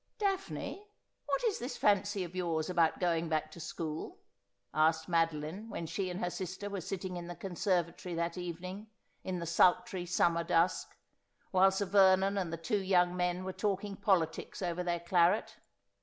' Daphne, what is this fancy of yours about going back to school ?' asked Madoline, when she and her sister were sitting in the conservatory that evening in the sultry summer dusk, while Sir Vernon and the two young men were talking politics over their claret.